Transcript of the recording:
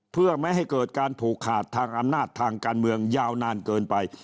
เพื่อไม่ให้เกิดการผูกขาดทางอำนาจทางการเมืองยาวนานเกินไป